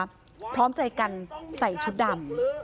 พร้อมใจกันใส่ชุดดำ